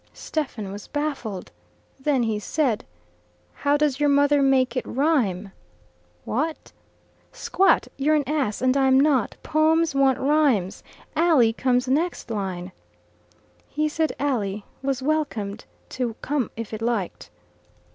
Stephen was baffled. Then he said, "How does your mother make it rhyme?" "Wot?" "Squat. You're an ass, and I'm not. Poems want rhymes. 'Alley' comes next line." He said "alley" was welcome to come if it liked.